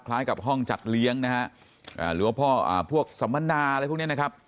กับห้องจัดเลี้ยงนะฮะหรือว่าพวกสัมมนาอะไรพวกนี้นะครับ